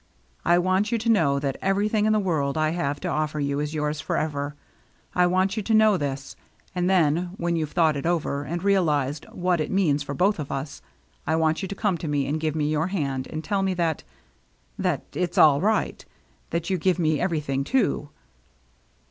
I want you to know that everything in the world I have to ofFer you is yours forever. I want you to know this, and then, when you've thought it over and realized what it means for both of us, I want you to come to me and give me your i8o THE MERRT ANNE hand and tell me that — that it's all right — that you give me everything, too."